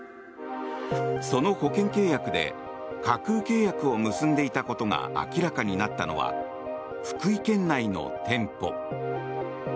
その保険契約で架空契約を結んでいたことが明らかになったのは福井県内の店舗。